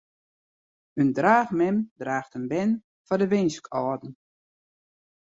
In draachmem draacht in bern foar de winskâlden.